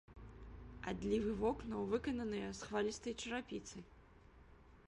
Адлівы вокнаў выкананыя з хвалістай чарапіцы.